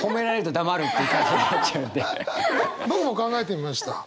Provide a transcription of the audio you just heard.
僕も考えてみました。